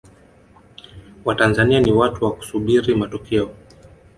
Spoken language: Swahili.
watanzania ni watu wa kusubiri matokeo